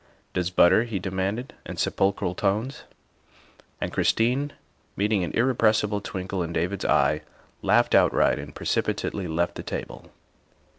" Does butter?" he demanded in sepulchral tones. And Christine, meeting an irrespressible twinkle in David's eye, laughed outright and precipitately left the table.